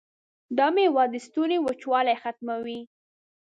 دا میوه د ستوني وچوالی ختموي.